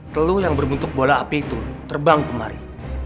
keluh yang berbentuk bola api itu terbang kemari